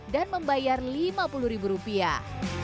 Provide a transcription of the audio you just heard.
dan membayar lima puluh rupiah